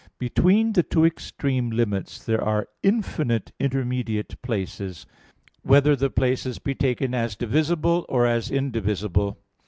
Between the two extreme limits there are infinite intermediate places; whether the places be taken as divisible or as indivisible.